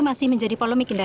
masih menjadi polemik